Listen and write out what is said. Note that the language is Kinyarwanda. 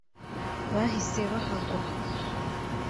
bahise bahagwa